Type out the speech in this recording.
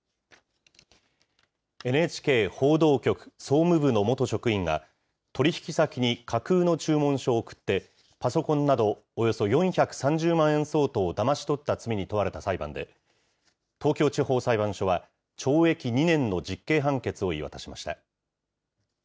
ＮＨＫ報道局総務部の元職員が、取り引き先に架空の注文書を送って、パソコンなどおよそ４３０万円相当をだまし取った罪に問われた裁判で、東京地方裁判所は、懲役２年の実刑判決を言い渡しました。